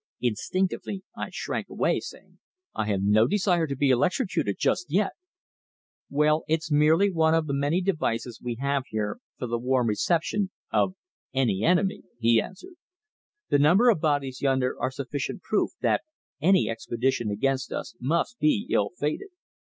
Instinctively I shrank away, saying: "I have no desire to be electrocuted just yet." "Well, it's merely one of the many devices we have here for the warm reception of any enemy," he answered. "The number of bodies yonder are sufficient proof that any expedition against us must be ill fated."